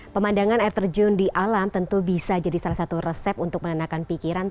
pemandangan air terjun di alam tentu bisa jadi salah satu resep untuk menenangkan pikiran